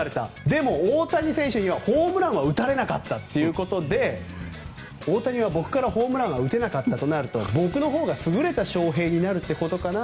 でも、大谷選手にはホームランは打たれなかったということで大谷は僕からホームランが打てなかったとなると僕のほうが優れたショウヘイになるってことかな。